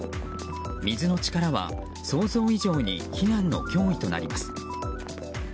水の力は、想像以上に避難の脅威になります。